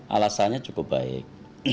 alasannya cukup baik